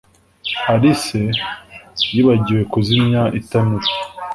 Alice yibagiwe kuzimya itanura